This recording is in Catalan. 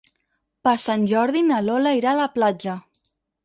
Per Sant Jordi na Lola irà a la platja.